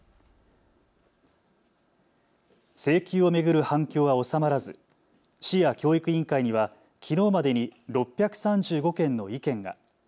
請求を巡る反響は収まらず市や教育委員会にはきのうまでに６３５件の意見が。